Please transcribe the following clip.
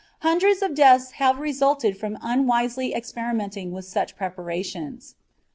Hundreds of deaths have resulted from unwisely experimenting with such preparations.